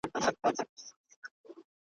ستا دي خپل خلوت روزي سي پر کتاب که ډېوه ستړې `